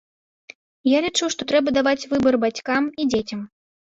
Я лічу, што трэба даваць выбар бацькам і дзецям.